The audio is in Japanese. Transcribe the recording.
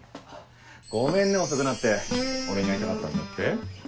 ごめんね遅くなって俺に会いたかったんだって？